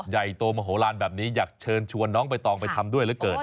ใหญ่โตมโหลานแบบนี้อยากเชิญชวนน้องใบตองไปทำด้วยเหลือเกิน